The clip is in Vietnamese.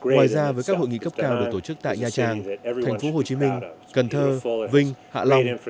ngoài ra với các hội nghị cấp cao được tổ chức tại nha trang thành phố hồ chí minh cần thơ vinh hạ long